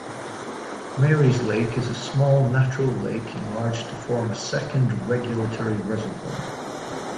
Marys Lake is a small natural lake enlarged to form a second regulatory reservoir.